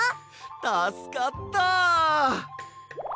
たすかった！